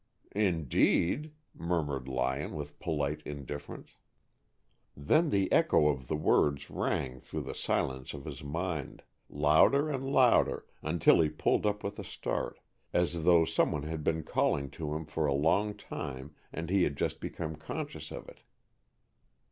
"Indeed?" murmured Lyon, with polite indifference. Then the echo of the words rang through the silence of his mind, louder and louder, until he pulled up with a start, as though some one had been calling to him for a long time and he had just become conscious of it.